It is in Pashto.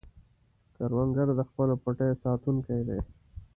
کروندګر د خپلو پټیو ساتونکی دی